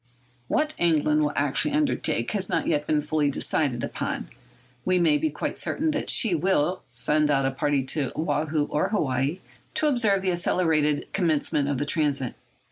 What England will actually undertake has not yet been fully decided upon. We may be quite certain that she will send out a party to Woahoo or Hawaii to observe the accelerated commencement of the transit.